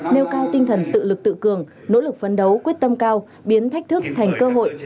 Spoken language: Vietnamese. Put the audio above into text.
nêu cao tinh thần tự lực tự cường nỗ lực phấn đấu quyết tâm cao biến thách thức thành cơ hội